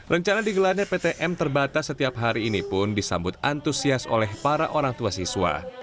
rencana digelarnya ptm terbatas setiap hari ini pun disambut antusias oleh para orang tua siswa